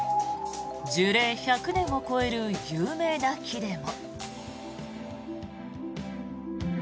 樹齢１００年を超える有名な木でも。